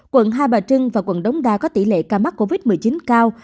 quận hai bà trưng và quận đống đa có tỷ lệ ca mắc covid một mươi chín cao